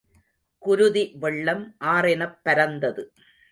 குருதி வெள்ளம் ஆறெனப் பரந்தது.